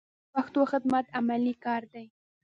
د پښتو خدمت عملي کار دی.